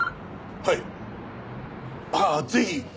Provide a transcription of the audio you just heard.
はい。